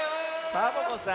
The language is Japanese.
サボ子さん。